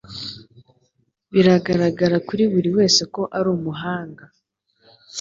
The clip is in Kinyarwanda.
Biragaragara kuri buri wese ko ari umuhanga.